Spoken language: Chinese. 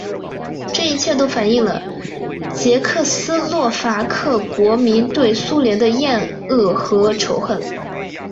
这一切都反映了捷克斯洛伐克国民对于苏联的厌恶和仇恨。